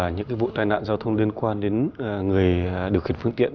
những vụ tai nạn giao thông liên quan đến người được khuyến phương tiện